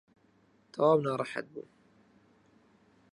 تەواو ناڕەحەت بووم.